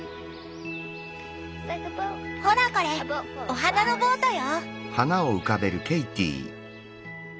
ほらこれお花のボートよ！